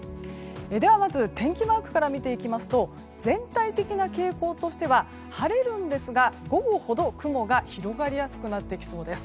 ではまず天気マークから見ていきますと全体的な傾向としては晴れるんですが午後ほど、雲が広がりやすくなってきそうです。